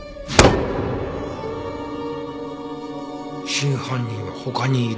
真犯人は他にいる？